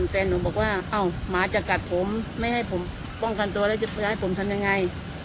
แต่หนูบอกว่าอ้าวหมาจะกัดผมไม่ให้ผมป้องกันตัวแล้วจะให้ผมทำยังไง